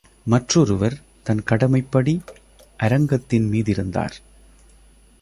மற்றொருவர், தன் கடமைப்படி, அரங்கத்தின் மீதிருந்தார்.